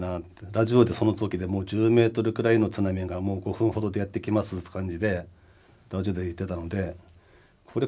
ラジオでその時でもう１０メートルくらいの津波がもう５分ほどでやって来ますって感じで途中で言ってたのでこれ